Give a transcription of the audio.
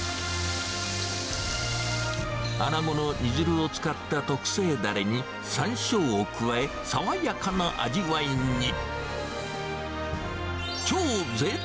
アナゴの煮汁を使った特製だれに、さんしょうを加え、爽やかな味わいに。